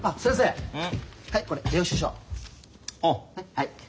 はい。